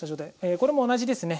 これも同じですね。